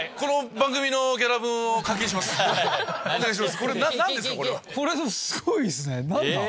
これすごいっすね何だ？